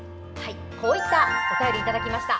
こういったお便りいただきました。